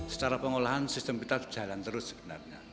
secara pengolahan sistem kita jalan terus sebenarnya